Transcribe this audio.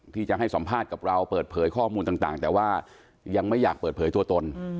ที่จะให้สัมภาษณ์กับเราเปิดเผยข้อมูลต่างแต่ว่ายังไม่อยากเปิดเผยตัวตน